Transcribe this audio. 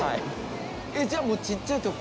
じゃあもうちっちゃい時から？